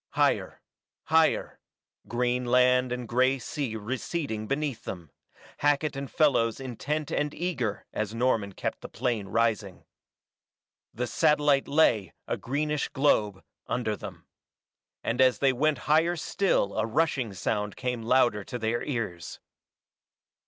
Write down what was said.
Higher higher green land and gray tea receding beneath them; Hackett and Fellows intent and eager as Norman kept the plane rising. The satellite lay, a greenish globe, under them. And as they went higher still a rushing sound came louder to their ears.